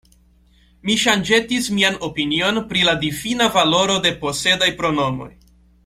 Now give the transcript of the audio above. Mi ŝanĝetis mian opinion pri la difina valoro de posedaj pronomoj.